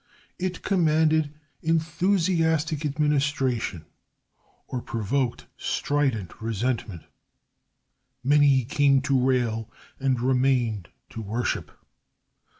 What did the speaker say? It commanded enthusiastic admiration or provoked strident resentment. Many came to rail and remained to worship.